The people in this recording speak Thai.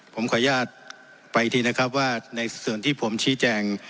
ผมขออนุญาตไปทีนะครับว่าในส่วนที่ผมชี้แจง